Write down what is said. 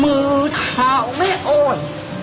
มือเท้าแม่เอาน